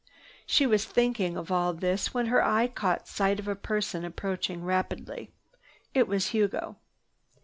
She was thinking of all this when her eye caught sight of a person approaching rapidly. It was Hugo.